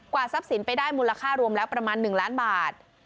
ทรัพย์สินไปได้มูลค่ารวมแล้วประมาณ๑ล้านบาท